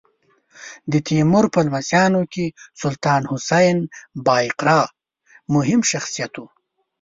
د تیمور په لمسیانو کې سلطان حسین بایقرا مهم شخصیت و.